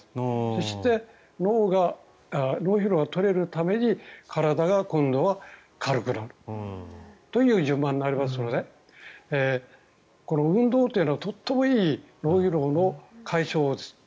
そして、脳疲労が取れるために体が今度が軽くなるという順番になりますので運動というのはとてもいい脳疲労の解消法です。